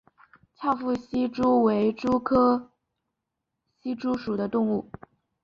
翘腹希蛛为球蛛科希蛛属的动物。